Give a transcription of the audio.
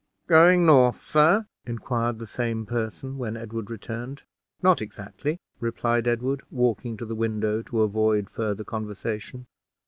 "Going north, sir?" inquired the same person when Edward returned. "Not exactly," replied Edward, walking to the window to avoid further conversation.